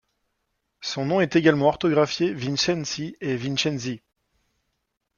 Son nom est également orthographié Vincenci et Vincenzi.